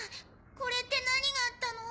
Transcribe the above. これって何があったの？